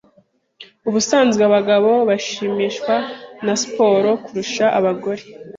Ubusanzwe abagabo bashimishwa na siporo kurusha abagore.